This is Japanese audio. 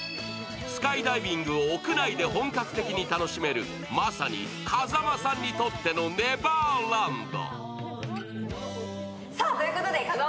スカイダイビングを屋内で本格的に楽しめるまさに風間さんにとってのネバーランド。